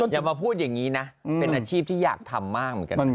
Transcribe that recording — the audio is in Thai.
อย่ามาพูดอย่างนี้นะเป็นอาชีพที่อยากทำมากเหมือนกันนะ